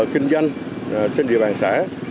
kinh doanh trên địa bàn xã